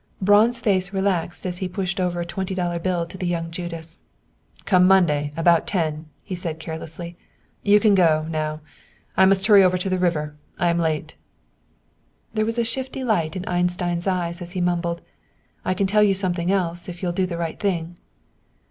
Braun's face relaxed as he pushed over a twenty dollar bill to the young Judas. "Come in Monday, about ten," he said, carelessly. "You can go, now! I must hurry over to the river. I am late!" There was a shifty light in Einstein's eyes as he mumbled, "I can tell you something else, if you'll do the right thing."